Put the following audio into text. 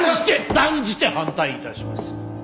断じて反対いたします！